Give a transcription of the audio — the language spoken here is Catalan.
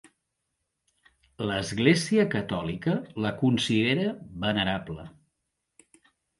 L'Església Catòlica la considera venerable.